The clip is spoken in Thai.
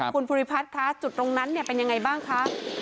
คุณภูริพัฒน์คะจุดตรงนั้นเป็นยังไงบ้างคะ